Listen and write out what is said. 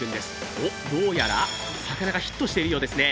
おっ、どうやら魚がヒットしているようですね。